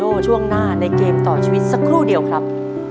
ช่วงหน้าในเกมต่อชีวิตสักครู่เดียวครับ